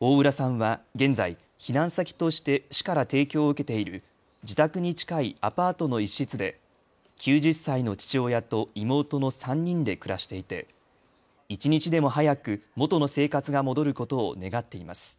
大浦さんは現在、避難先として市から提供を受けている自宅に近いアパートの一室で９０歳の父親と妹の３人で暮らしていて一日でも早く元の生活が戻ることを願っています。